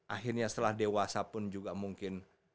akhirnya setelah dewasa pun juga mungkin